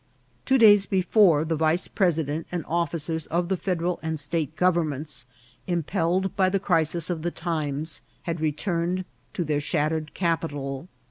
Two days before, the vice president and officers of the Federal and State Governments, impelled by the crisis of the times, had returned to their shattered capital.